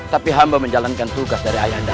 tapi hamba menjalankan tugas dari ayah anda